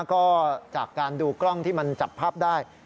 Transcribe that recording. ก็จากการดูกล้องที่มันจับภาพได้